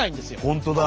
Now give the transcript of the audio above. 本当だ！